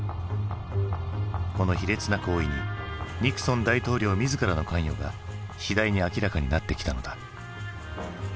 この卑劣な行為にニクソン大統領自らの関与が次第に明らかになってきたのだ。